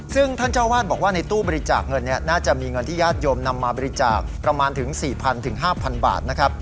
ซึ่งท่านเจ้าวาดบอกว่าในตู้บริจาคเงินน่าจะมีเงินที่ญาติโยมนำมาบริจาคประมาณถึง๔๐๐๕๐๐บาทนะครับ